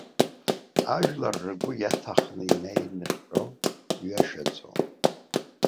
Ажәлар ргәы иаҭахны ианеинырҟьо ҩашьаӡом!